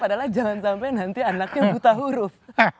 padahal jangan sampai nanti anaknya buta huruf